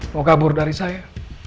mau kabur dari saya